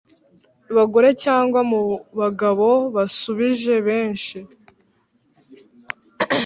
Bagore cyangwa mu bagabo abasubije benshi